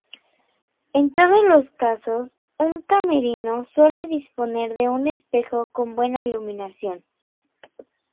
En todos los casos un camerino suele disponer de un espejo con buena iluminación.